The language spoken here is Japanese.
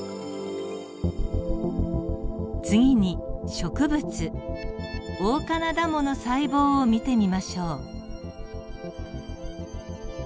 次に植物オオカナダモの細胞を見てみましょう。